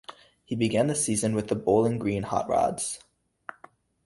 He began the season with the Bowling Green Hot Rods.